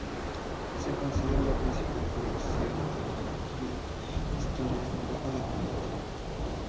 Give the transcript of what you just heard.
Se considera la principal colección de maquinaria histórica en la Europa del Norte.